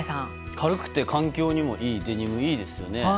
軽くて環境にもいいデニムいいですよね。